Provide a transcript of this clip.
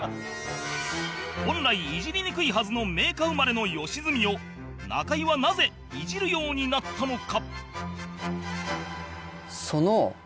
本来イジりにくいはずの名家生まれの良純を中居はなぜイジるようになったのか？